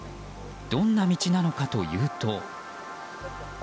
どんな道なのかというと。